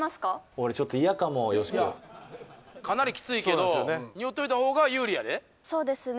俺ちょっと嫌かもよしこいやかなりキツいけど匂っといた方が有利やでそうですね